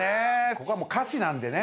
ここはもう歌詞なんでね。